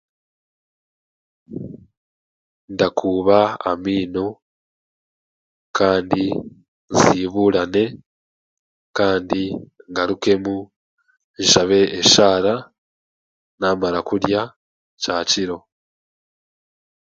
Ndakuuba amaino kandi nsibuurane kandi ngarukemu nshabe eshaara naamara kurya kyakiro